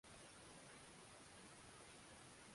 wamekimbilia loliondo ni hii habari ambayo